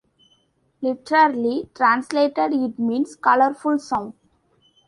Literally translated it means "colorful sound".